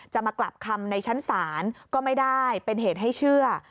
จะมากลับคำในชั้นศาลก็ไม่ได้เป็นเหตุให้เชื่อ